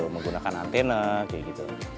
menggunakan antena kayak gitu